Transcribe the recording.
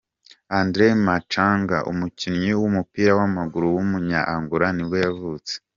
André Macanga, umukinnyi w’umupira w’amaguru w’umunya-Angola nibwo yavutse.